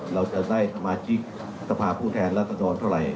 เราจะได้สมาชิกสภาพผู้แทนรัศดรเท่าไหร่